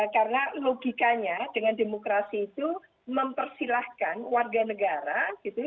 karena logikanya dengan demokrasi itu mempersilahkan warga negara gitu